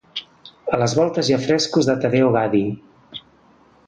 A les voltes hi ha frescos de Taddeo Gaddi.